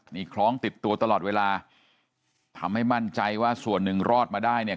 นี่คล้องติดตัวตลอดเวลาทำให้มั่นใจว่าส่วนหนึ่งรอดมาได้เนี่ย